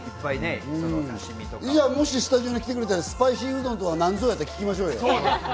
もしスタジオに来てくれたらスパイシーうどんとはなんぞや？と聞きましょうよ。